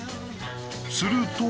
すると。